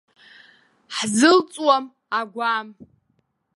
Ҳзылҵуам агәам.